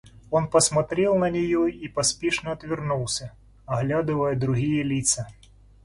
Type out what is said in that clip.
Он посмотрел на нее и поспешно отвернулся, оглядывая другие лица.